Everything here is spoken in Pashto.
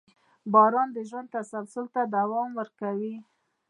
• باران د ژوند تسلسل ته دوام ورکوي.